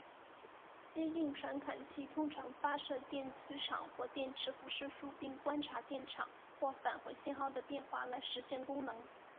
接近传感器通常发射电磁场或电磁辐射束并观察电场或返回信号的变化来实现功能。